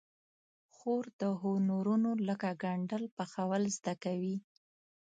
خور د هنرونو لکه ګنډل، پخول زده کوي.